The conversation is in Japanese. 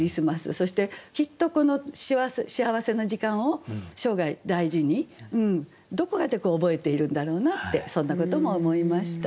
そしてきっとこの幸せな時間を生涯大事にどこかで覚えているんだろうなってそんなことも思いました。